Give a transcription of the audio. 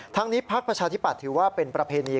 ทั้งนี้พักประชาธิปัตย์ถือว่าเป็นประเพณี